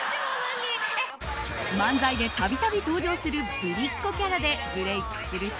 漫才で度々登場するぶりっ子キャラでブレークすると。